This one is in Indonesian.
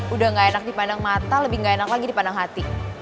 udah gak enak dipandang mata lebih nggak enak lagi dipandang hati